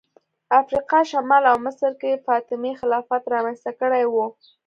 افریقا شمال او مصر کې فاطمي خلافت رامنځته کړی و